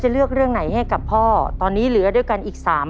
เลือกเรื่องไหนให้กับพ่อตอนนี้เหลือด้วยกันอีกสาม